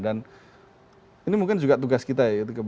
dan ini mungkin juga tugas kita ya